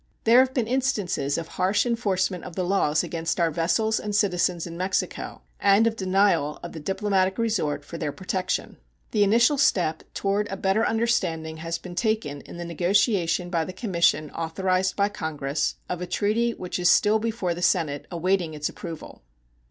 There have been instances of harsh enforcement of the laws against our vessels and citizens in Mexico and of denial of the diplomatic resort for their protection. The initial step toward a better understanding has been taken in the negotiation by the commission authorized by Congress of a treaty which is still before the Senate awaiting its approval.